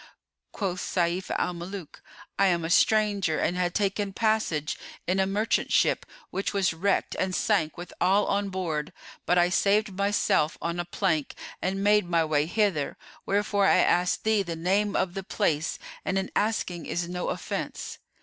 Quoth Sayf al Muluk, "I am a stranger and had taken passage in a merchant ship which was wrecked and sank with all on board; but I saved myself on a plank and made my way hither; wherefore I asked thee the name of the place, and in asking is no offence."